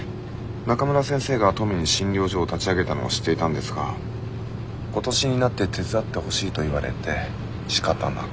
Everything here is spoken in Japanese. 中村先生が登米に診療所を立ち上げたのは知っていたんですが今年になって手伝ってほしいと言われてしかたなく。